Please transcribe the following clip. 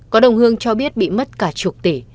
có đồng hương cho biết bị mất cả chục tỷ